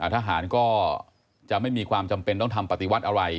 ทหารก็จะไม่มีความจำเป็นต้องทำปฏิวัติอะไร